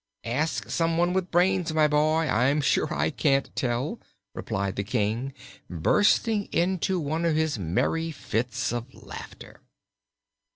"Ask someone with brains, my boy; I'm sure I can't tell," replied the King, bursting into one of his merry fits of laughter.